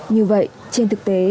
như vậy trên thực tế